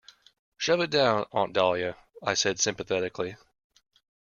"Shove it down, Aunt Dahlia," I said sympathetically.